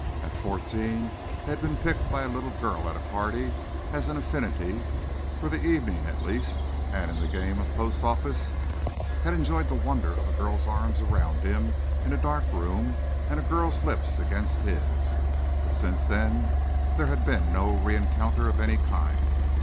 At fourteen he had been picked by a little girl at a party as an affinity, for the evening at least, and in a game of "post office" had enjoyed the wonder of a girl's arms around him in a dark room and a girl's lips against his; but since then there had been no re encounter of any kind.